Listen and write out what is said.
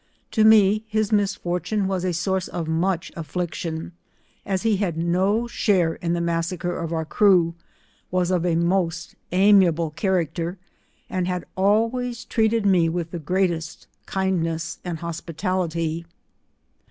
To me, his misfortune was a source i of much affliction, as he had no share in the mas \ sacre of our crew, was of a most amiable character, and liad always treated me with the greatest kind ness and hospitality.